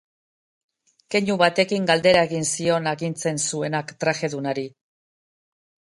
Keinu batekin galdera egin zion agintzen zuenak trajedunari.